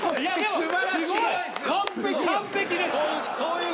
すばらしい。